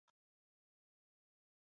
تی یې له قبر سره ولګېدی.